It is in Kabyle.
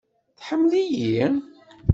Tḥemmel-iyi?